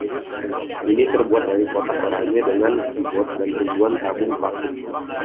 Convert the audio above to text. Ini terbuat dari kotak oranye dengan keyboard dan ribuan tabung vakum!